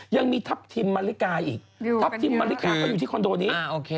ยังมีทัพทิมมาริกาอีกทัพทิมมาริกาก็อยู่ที่คอนโดนี้